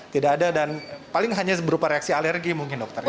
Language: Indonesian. tidak ada dan paling hanya berupa reaksi alergi mungkin dokter